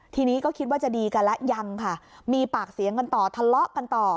ทีนี้ก็คิดว่าจะดีกันแล้วยังค่ะมีปากเสียงกันต่อทะเลาะกันต่อ